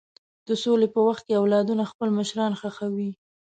د سولې په وخت کې اولادونه خپل مشران ښخوي.